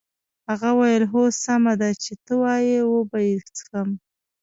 هغه وویل هو سمه ده چې ته وایې وبه یې څښم.